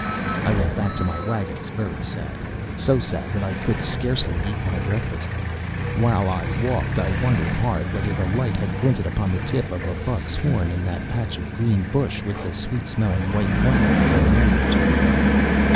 "I went back to my wagons very sad—so sad that I could scarcely eat my breakfast. While I walked I wondered hard whether the light had glinted upon the tip of a buck's horn in that patch of green bush with the sweet smelling white flowers a night or two ago.